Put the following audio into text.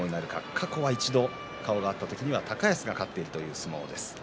過去に顔が合った時は高安が勝っているという相撲です。